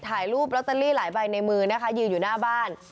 ถ่ายรูปลอตเตอรี่หลายใบในมือนะคะยืนอยู่หน้าบ้าน